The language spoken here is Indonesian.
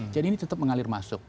jadi ini tetap mengalir masuk